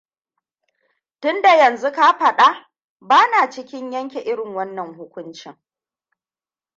Tunda yanzu ka faɗa, bana cikin yanke irin wannan hukuncin.